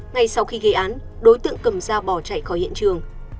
ngay sau khi gây án đối tượng cầm dao bỏ chạy khỏi hiện trường